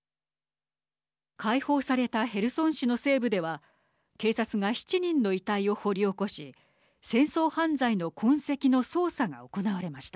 解放されたヘルソン市の西部では警察が７人の遺体を掘り起こし戦争犯罪の痕跡の捜査が行われました。